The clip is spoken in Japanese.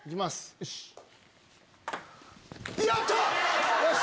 よし！